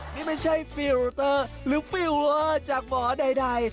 นี่ไม่ใช่ฟิลเตอร์หรือฟิลเวอร์จากหมอใด